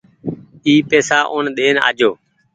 اي پئيسا اون ۮين آجو ۔